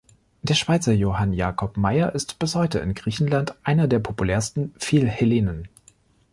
Der Schweizer Johann Jakob Meyer ist bis heute in Griechenland einer der populärsten Philhellenen.